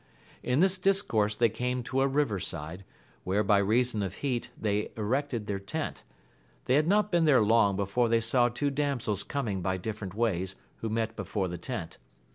In this discourse they came to a river side, where by reason of heat they erected their tent ; they had not been there long before they saw two damsels coming by different ways who met before the tent.